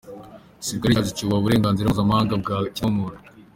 Igisirikare cyacu cyubaha uburenganzira mpuzamahanga bwa kiremwamuntu.